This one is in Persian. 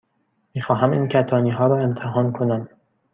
می خواهم این کتانی ها را امتحان کنم.